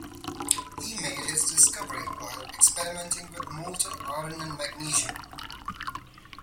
He made his discovery while experimenting with molten iron and magnesium.